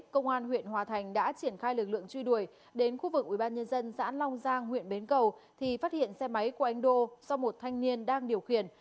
công an huyện hòa thành đã triển khai lực lượng truy đuổi đến khu vực ubnd xã long giang huyện bến cầu thì phát hiện xe máy của anh đô do một thanh niên đang điều khiển